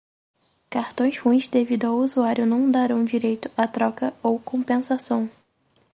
Cartões ruins devido ao usuário não darão direito a troca ou compensação.